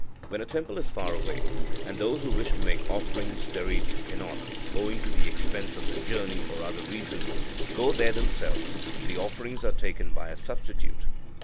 When a temple is far away, and those who wish to make offerings thereat cannot, owing to the expense of the journey or other reason, go there themselves, the offerings are taken by a substitute.